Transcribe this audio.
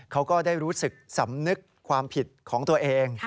เขาก็ได้รู้สึกสำนึกความผิดของตัวเอง